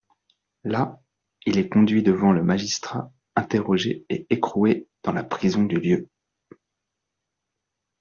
Là il est conduit devant le magistrat, interrogé, et écroué dans la prison du lieu.